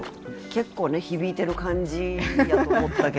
結構ね響いてる感じやと思ったけど。